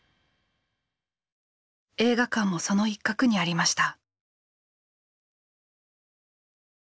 映画館もその一角にありました。